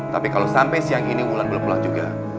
tapi kalau sampai siang ini wulan belum pulang juga